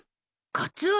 カツオ。